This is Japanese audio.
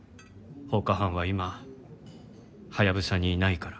放火犯は今ハヤブサにいないから。